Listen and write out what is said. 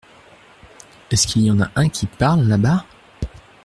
Est-ce qu’il y en a un qui parle là-bas ?